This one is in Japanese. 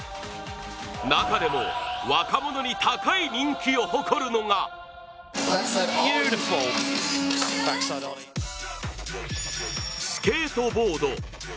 中でも、若者に高い人気を誇るのがスケートボード。